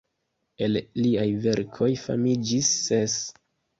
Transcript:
El liaj verkoj famiĝis ses.